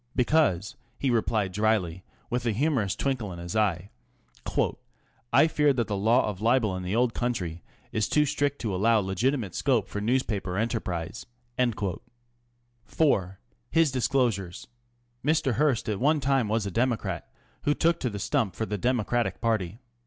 " Because," he replied dryly, with a humorous twinkle in his eye, " I fear that the law of libel in the old country is too strict to allow legitimate scope for newspaper enterprise." IV. ŌĆö HIS DISCLOSURES. Mr. Hearst at one time was a Democrat who took the stump for the Democratic party.